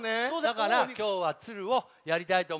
だからきょうはツルをやりたいとおもいます。